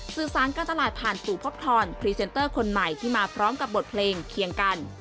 สื่อสารการตลาดผ่านสู่พบทรพรีเซนเตอร์คนใหม่ที่มาพร้อมกับบทเพลงเคียงกัน